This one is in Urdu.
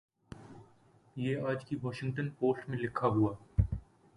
یہ آج کی واشنگٹن پوسٹ میں لکھا ہوا ۔